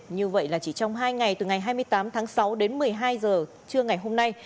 như vậy là chỉ trong hai ngày từ ngày hai mươi tám tháng sáu đến một mươi hai giờ trưa ngày hôm nay